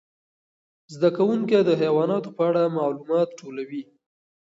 زده کوونکي د حیواناتو په اړه معلومات ټولوي.